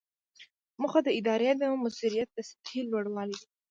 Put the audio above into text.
موخه د ادارې د مؤثریت د سطحې لوړول دي.